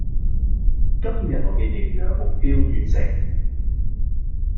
今日我嘅營餋目標完成